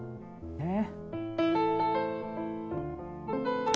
えっ